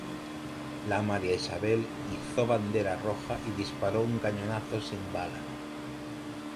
La "María Isabel" izó bandera roja y disparó un cañonazo sin bala.